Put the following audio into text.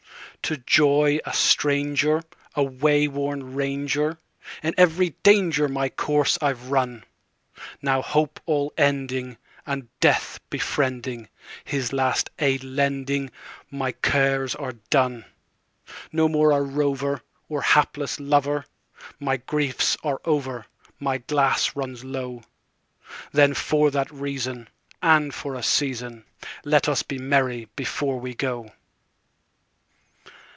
To joy a stranger, a wayworn ranger, In every danger my course I've run; Now hope all ending, and death befriending, His last aid lending, my cares are done.No more a rover, or hapless lover, My griefs are over—my glass runs low; Then for that reason, and for a season, Let us be merry before we go.